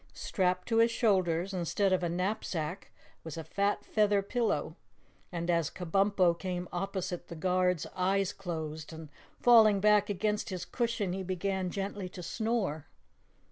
Strapped to his shoulders, instead of a knapsack, was a fat feather pillow, and as Kabumpo came opposite the guard's eyes closed, and falling back against his cushion he began gently to snore.